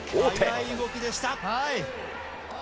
速い動きでした。